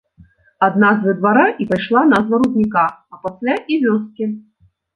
Ад назвы двара і пайшла назва рудніка, а пасля і вёскі.